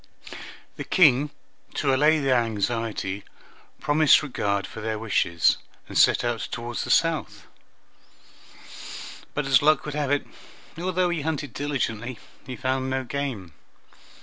The King, to allay their anxiety, promised regard for their wishes, and set out toward the south; but as luck would have it, although he hunted diligently, he found no game.